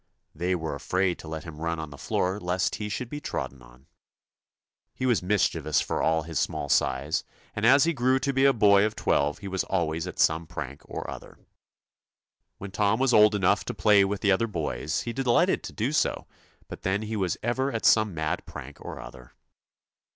They were afraid to let him run on the floor lest he should be trodden on. He was mischievous for all his small size, and as he grew to be a boy of twelve he was always at some prank or other. When Tom was old enough to play with other boys, he delighted to do so, but then he was ever at some mad prank or other.